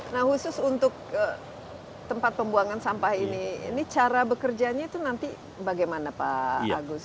nah khusus untuk tempat pembuangan sampah ini ini cara bekerjanya itu nanti bagaimana pak agus